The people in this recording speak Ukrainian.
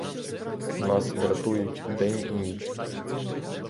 Нас дратують день і ніч.